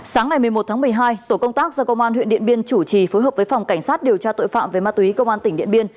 sáng ngày một mươi một tháng một mươi hai tổ công tác do công an huyện điện biên chủ trì phối hợp với phòng cảnh sát điều tra tội phạm về ma túy công an tỉnh điện biên